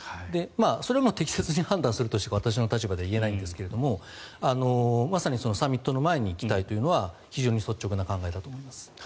それも適切に判断するとしか私の立場では言えないんですがまさにサミットの前に行きたいというのは非常に率直な考えだと思います。